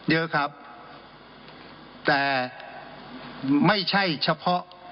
เยอะครับแต่ไม่ใช่เฉพาะ